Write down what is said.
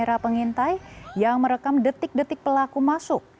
apa itu yang berada